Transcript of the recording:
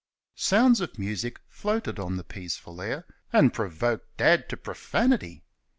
Sounds of music floated on the peaceful air and provoked Dad to profanity.